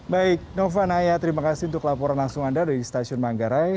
baik nova naya terima kasih untuk laporan langsung anda dari stasiun manggarai